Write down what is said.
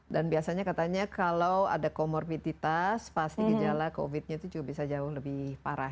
dan biasanya katanya kalau ada komorbititas pasti gejala covidnya itu juga bisa jauh lebih parah